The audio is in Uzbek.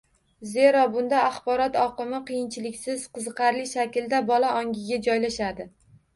Zero, bunda axborot oqimi qiyinchiliksiz, qiziqarli shaklda bola ongiga joylashadi